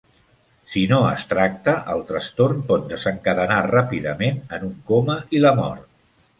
Si no es tracta, el trastorn pot desencadenar ràpidament en un coma i la mort.